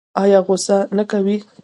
ایا غوسه نه کوي؟